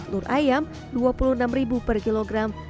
telur ayam rp dua puluh enam per kilogram